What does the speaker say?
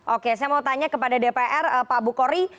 oke saya mau tanya kepada dpr pak bukori